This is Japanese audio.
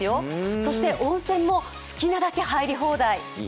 そして温泉も好きなだけ入り放題。